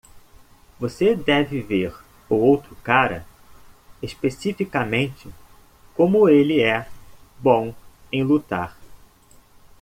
Você deve ver o outro cara? especificamente? como ele é bom em lutar.